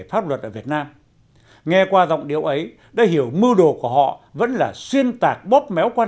pháp luật ở việt nam nghe qua giọng điệu ấy đã hiểu mưu đồ của họ vẫn là xuyên tạc bóp méo quan